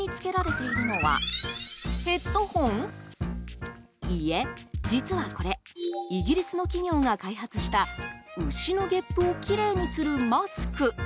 いいえ、実はこれイギリスの企業が開発した牛のげっぷをきれいにするマスク。